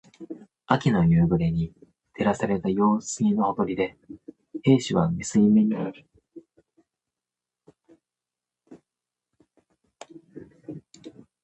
秋の夕暮れに照らされた用水のほとりで、兵十は水面に映る自分の姿をじっと見つめて深く息をつきました。